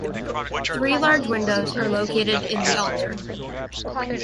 Three large windows are located in the altar.